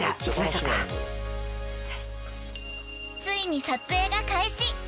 ［ついに撮影が開始。